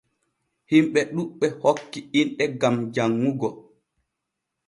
Himɓe ɗuɓɓe hokki inɗe gam janŋugo.